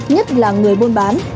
nhất là người bôn bán